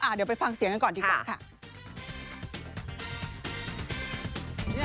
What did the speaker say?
เดี๋ยวไปฟังเสียงกันก่อนดีกว่าค่ะ